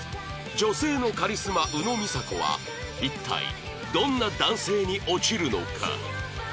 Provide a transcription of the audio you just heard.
女性のカリスマ宇野実彩子は一体どんな男性に落ちるのか？